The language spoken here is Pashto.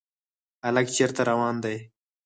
هلک چېرته روان دی ؟